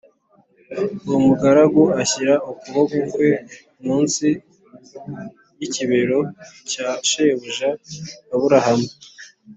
uwo mugaragu ashyira ukuboko kwe munsi y’’ikibero cya shebuja Aburahamu